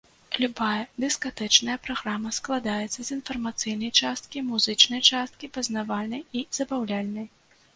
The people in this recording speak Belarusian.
Любая дыскатэчная праграма складаецца з інфармацыйнай часткі, музычнай часткі, пазнавальнай і забаўляльнай.